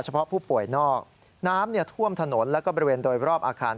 เพาะผู้ป่วยนอกน้ำท่วมถนนแล้วก็บริเวณโดยรอบอาคาร